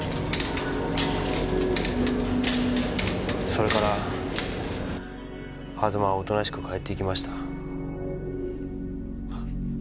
それから狭間はおとなしく帰っていきました。